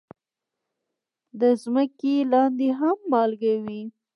د ځمکې لاندې هم مالګه وي.